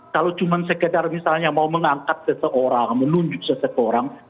kalau cuma sekedar misalnya mau mengangkat seseorang menunjuk seseorang